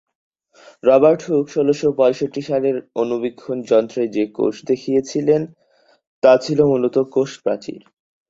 এই সেতুটি কলাম্বিয়া নদীর উপর অবস্থিত।